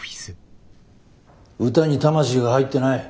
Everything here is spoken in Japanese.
歌に魂が入ってない。